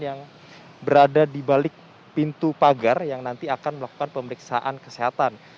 yang berada di balik pintu pagar yang nanti akan melakukan pemeriksaan kesehatan